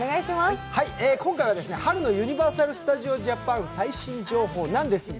今回は春のユニバーサル・スタジオ・ジャパン最新情報なんですが